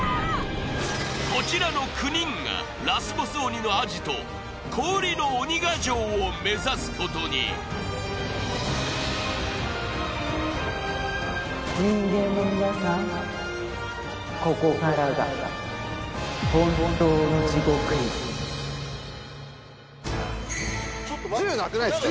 こちらの９人がラスボス鬼のアジト氷の鬼ヶ城を目指すことに・銃なくないっすか？